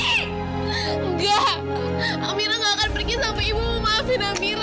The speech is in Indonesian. enggak amira enggak akan pergi sampai ibu memaafin amira